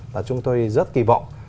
và chúng tôi rất kỳ vọng